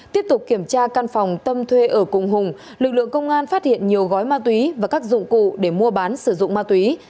tiếp tục kiểm tra căn phòng tâm thuê ở cùng hùng lực lượng công an phát hiện nhiều gói ma túy và các dụng cụ để mua bán sử dụng ma túy